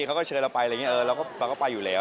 เขาก็เชิญเราไปอะไรอย่างนี้เราก็ไปอยู่แล้ว